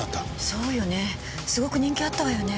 そうよねすごく人気あったわよね。